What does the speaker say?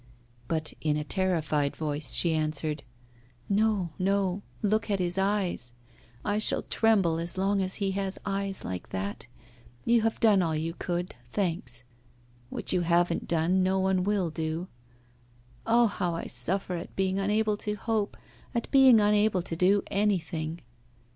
But in a terrified voice she answered: 'No, no; look at his eyes I shall tremble as long as he has his eyes like that. You have done all you could, thanks. What you haven't done no one will do. Ah! how I suffer at being unable to hope, at being unable to do anything!